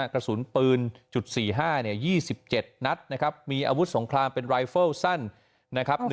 กระสุนปืน๔๕๒๗นัดนะครับมีอาวุธสงครามเป็นรายเฟิลสั้นนะครับ